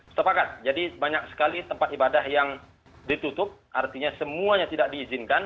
sepakat jadi banyak sekali tempat ibadah yang ditutup artinya semuanya tidak diizinkan